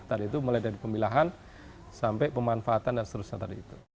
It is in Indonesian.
tadi itu mulai dari pemilahan sampai pemanfaatan dan seterusnya